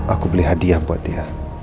aku beli hadiah buat dia